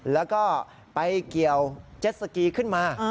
แล้วก็ไปเกี่ยวเจ็ดสกีขึ้นมา